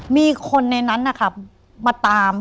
มีคนในนั้นนะครับมาตาม